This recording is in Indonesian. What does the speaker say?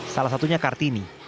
salah satunya kartini